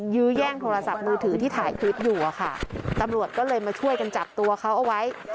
ยื้อแย่งโทรศัพท์มือถือที่ถ่ายคลิปอยู่อะค่ะตำรวจก็เลยมาช่วยกันจับตัวเขาเอาไว้